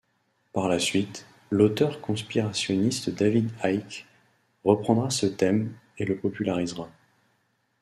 Par la suite, l'auteur conspirationniste David Icke reprendra ce thème et le popularisera.